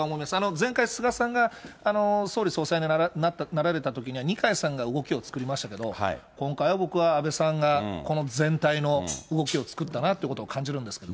前回、菅さんが総理総裁になられたときには、二階さんが動きを作りましたけど、今回は、僕は安倍さんがこの全体の動きを作ったなということを感じるんですけどね。